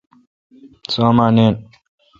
سو اوما ناین۔